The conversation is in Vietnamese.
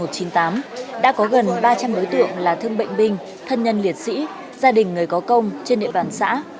đã có gần ba trăm linh đối tượng là thương bệnh binh thân nhân liệt sĩ gia đình người có công trên địa bàn xã